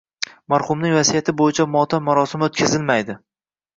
Marhumning vasiyati bo`yicha motam marosimi o`tkazilmaydi